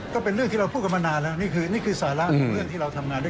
ก็เป็นเรื่องที่เราพูดกันมานานแล้วนี่คือนี่คือสาระของเรื่องที่เราทำงานด้วย